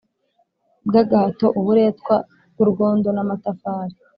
bw agahato uburetwa bw urwondo n amatafari